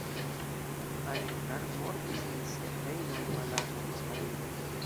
Allen Carr mortis en sia hejmo en Malago, Hispanio.